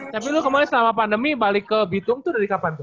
tapi lu kemarin selama pandemi balik ke bitung tuh dari kapan tuh